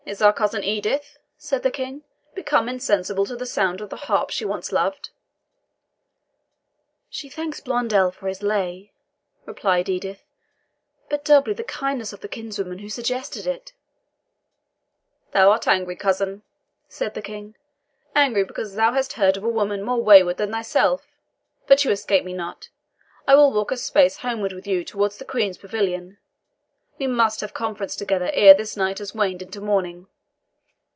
"Is our cousin Edith," said the King, "become insensible to the sound of the harp she once loved?" "She thanks Blondel for his lay," replied Edith, "but doubly the kindness of the kinsman who suggested it." "Thou art angry, cousin," said the King; "angry because thou hast heard of a woman more wayward than thyself. But you escape me not. I will walk a space homeward with you towards the Queen's pavilion. We must have conference together ere the night has waned into morning."